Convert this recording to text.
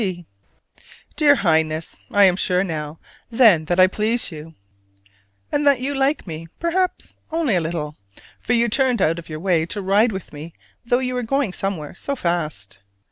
G. Dear Highness: I am sure now, then, that I please you, and that you like me, perhaps only a little: for you turned out of your way to ride with me though you were going somewhere so fast.